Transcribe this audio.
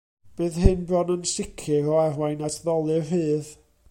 Bydd hyn bron yn sicr o arwain at ddolur rhydd.